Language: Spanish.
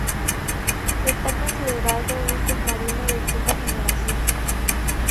Está considerado un submarino de quinta generación.